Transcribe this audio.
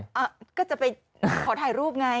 ก็จะไปขอถ่ายรูปไง